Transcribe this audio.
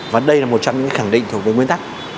và đây là một trong những khẳng định thuộc về nguyên tắc